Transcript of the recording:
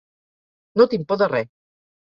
No tinc por de res.